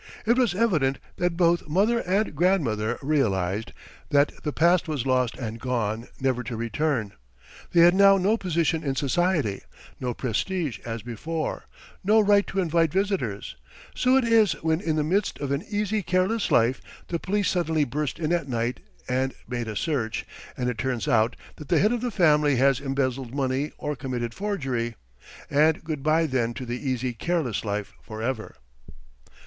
It was evident that both mother and grandmother realized that the past was lost and gone, never to return; they had now no position in society, no prestige as before, no right to invite visitors; so it is when in the midst of an easy careless life the police suddenly burst in at night and made a search, and it turns out that the head of the family has embezzled money or committed forgery and goodbye then to the easy careless life for ever!